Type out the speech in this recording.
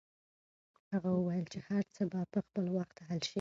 هغه وویل چې هر څه به په خپل وخت حل شي.